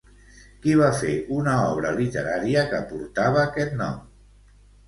Qui va fer una obra literària que portava aquest nom?